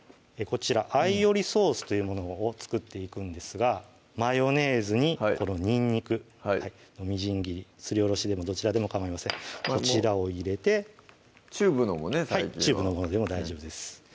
こちらアイオリソースというものを作っていくんですがマヨネーズにこのにんにくみじん切りすりおろしでもどちらでもかまいませんこちらを入れてチューブのもね最近はチューブのものでも大丈夫です